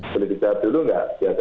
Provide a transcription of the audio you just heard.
boleh dijawab dulu tidak